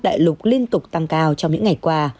đại lục liên tục tăng cao trong những ngày qua